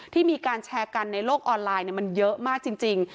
ที่มีการแชร์กันในโลกออนไลน์มันเยอะมากจริง